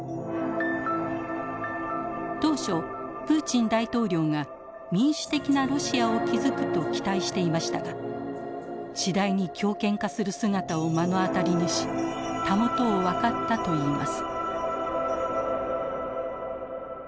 当初プーチン大統領が民主的なロシアを築くと期待していましたが次第に強権化する姿を目の当たりにし袂を分かったといいます。